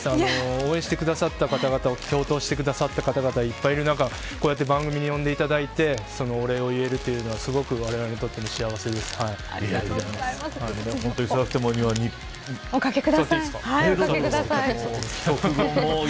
応援してくださった方々共闘してくださった方いろいろいる中こうやって番組に呼んでいただいてお礼を言えるというのはすごく、われわれにとってもおかけください。